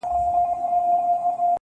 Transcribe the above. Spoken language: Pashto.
دغه رنگينه او حسينه سپوږمۍ.